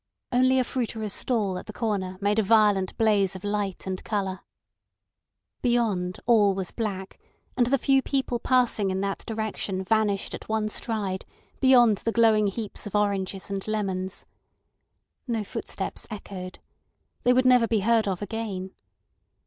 Only a fruiterer's stall at the corner made a violent blaze of light and colour. Beyond all was black, and the few people passing in that direction vanished at one stride beyond the glowing heaps of oranges and lemons. No footsteps echoed. They would never be heard of again.